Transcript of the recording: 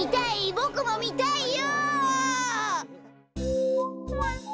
ボクもみたいよ！